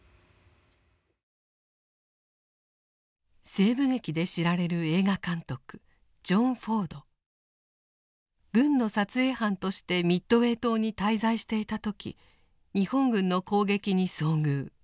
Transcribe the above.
西部劇で知られる軍の撮影班としてミッドウェー島に滞在していた時日本軍の攻撃に遭遇。